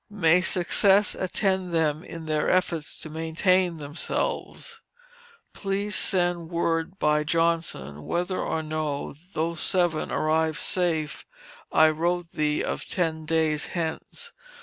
May success attend them in their efforts to maintain themselves. Please send word by Johnson whether or no, those seven arrived safe I wrote thee of ten days since.